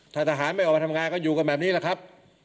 ถ้าทหารไม่ออกมาทำงานก็อยู่กันแบบนี้แหละครับ